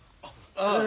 ああ。